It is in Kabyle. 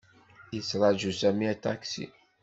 Yettṛaju Sami aṭaksi.